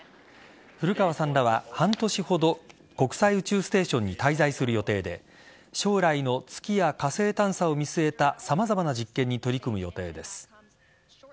古川さんらは半年ほど国際宇宙ステーションに滞在する予定で将来の月や火星探査を見据えた様々な実験に取り組む予定です。